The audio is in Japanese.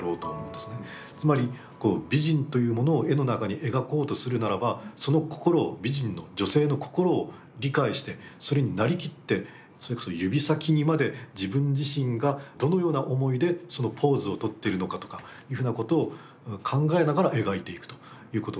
つまり美人というものを絵の中に描こうとするならばその心を美人の女性の心を理解してそれになりきってそれこそ指先にまで自分自身がどのような思いでそのポーズをとっているのかとかいうふうなことを考えながら描いていくということになる。